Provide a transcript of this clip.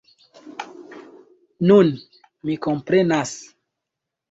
Nun, mi komprenas.